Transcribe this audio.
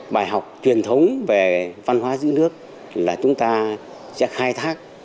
bài học truyền thống về văn hóa giữ nước là chúng ta sẽ khai thác